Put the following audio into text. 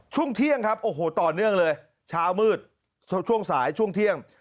ช่วงเที่ยงครับโอ้โหต่อเนื่องเลยเช้ามืดช่วงสายช่วงเที่ยง